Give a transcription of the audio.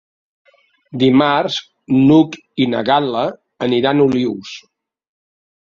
Dimarts n'Hug i na Gal·la aniran a Olius.